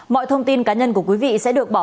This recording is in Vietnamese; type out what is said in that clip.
mọi thông tin cá nhân của quý vị sẽ được bỏ